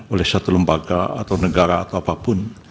oleh satu lembaga atau negara atau apapun